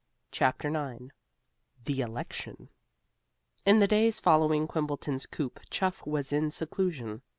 CHAPTER IX THE ELECTION In the days following Quimbleton's coup Chuff was in seclusion.